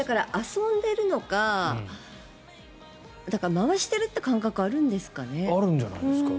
遊んでるのか回してるって感覚はあるんじゃないですか？